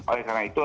oleh karena itu